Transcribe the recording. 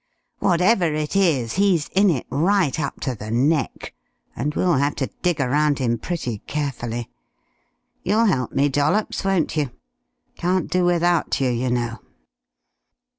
What ever it is he's in it right up to the neck, and we'll have to dig around him pretty carefully. You'll help me, Dollops, won't you? Can't do without you, you know."